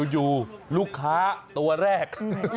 อยู่ลูกค้าตัวแรก